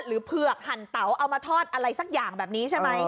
เผือกหั่นเตาเอามาทอดอะไรสักอย่างแบบนี้ใช่ไหม